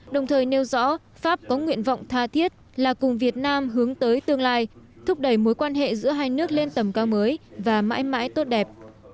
đồng thời nêu rõ pháp có nguyện vọng tha thiết là cùng việt nam hướng tới tương lai thúc đẩy mối quan hệ giữa hai nước lên tầm cao mới và mãi mãi tốt đẹp